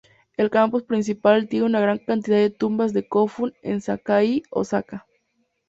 El campus principal tiene una gran cantidad de tumbas de Kofun en Sakai, Osaka.